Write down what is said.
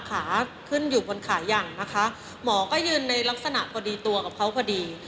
ขาขึ้นอยู่บนขายังนะคะหมอก็ยืนในลักษณะพอดีตัวกับเขาพอดี